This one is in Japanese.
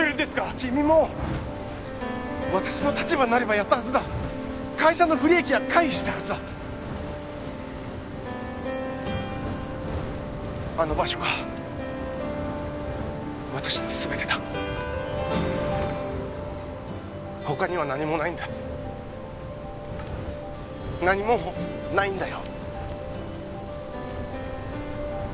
君も私の立場になればやったはずだ会社の不利益は回避したはずだあの場所が私のすべてだ他には何もないんだ何もないんだよ